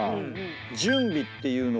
準備っていうのは。